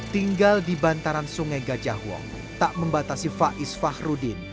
tinggal di bantaran sungai gajah wong tak membatasi faiz fahrudin